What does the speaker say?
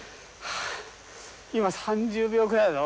今３０秒ぐらいだろ？